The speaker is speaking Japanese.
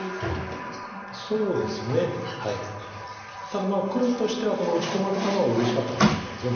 ただ黒としては打ち込まれたのはうれしかったかもしれないです